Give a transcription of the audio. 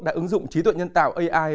đã ứng dụng trí tuệ nhân tạo ai